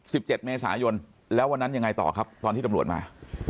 เจ็ดเมษายนแล้ววันนั้นยังไงต่อครับตอนที่ตำรวจมา